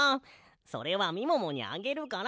それはみももにあげるから。